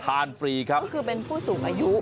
ฟรีครับก็คือเป็นผู้สูงอายุ